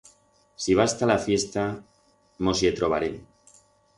Si vas ta la fiesta, mos ie trobarem.